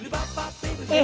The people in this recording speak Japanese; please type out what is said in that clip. え！